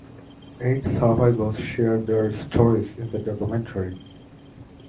Eight survivors share their stories in the documentary.